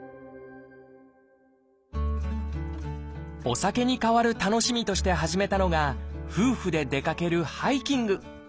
お酒に代わる楽しみとして始めたのが夫婦で出かけるハイキング。